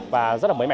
và rất là mới mẻ